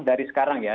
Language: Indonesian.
dari sekarang ya